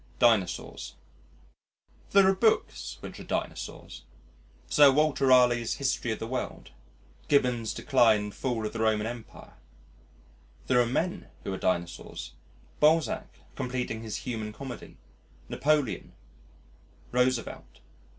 Dinosaurs There are books which are Dinosaurs Sir Walter Raleigh's History of the World, Gibbon's Decline and Fall of the Roman Empire. There are men who are Dinosaurs Balzac completing his Human Comedy, Napoleon, Roosevelt.